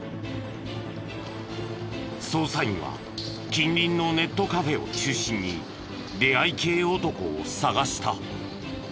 捜査員は近隣のネットカフェを中心に出会い系男を探した。